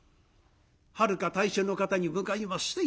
はるか大衆の方に向かいまして一礼。